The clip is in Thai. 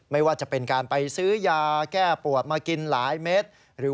ไม่ว่าจะเป็นการไปซื้อยาแก้ปวดมากินหลายเม็ด